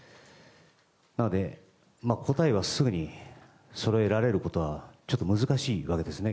なので、答えはすぐにそろえられることはちょっと難しいわけですね